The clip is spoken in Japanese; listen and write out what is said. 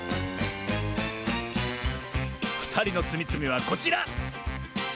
ふたりのつみつみはこちら！